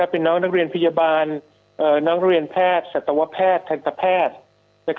เป็นน้องนักเรียนพยาบาลน้องเรียนแพทย์สัตวแพทย์ทันตแพทย์